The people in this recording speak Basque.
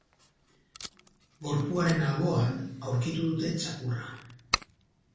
Gorpuaren alboan aurkitu dute txakurra.